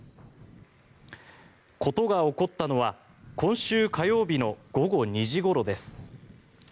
事が起こったのは今週火曜日の午後２時ごろです。